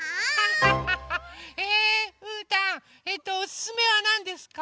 えうーたんおすすめはなんですか？